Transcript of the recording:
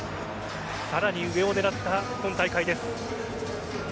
さらに上を狙った今大会です。